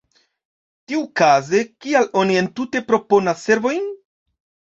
Tiukaze, kial oni entute proponas servojn?